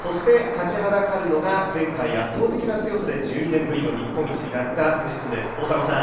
立ちはだかるのが前回圧倒的な強さで１２年ぶりの日本一になった富士通です。